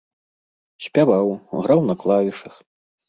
Спяваў, граў на клавішах.